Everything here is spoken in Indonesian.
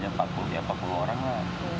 apik kapalnya empat puluh orang lah